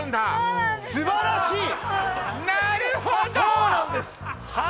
素晴らしいなるほどそうなんですは